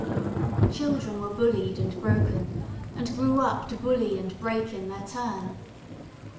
Children were bullied and broken and grew up to bully and break in their turn.